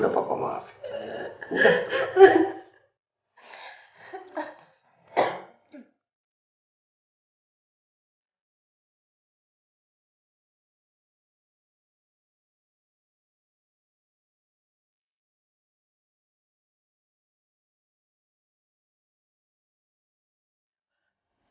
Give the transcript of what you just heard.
udah papa maafin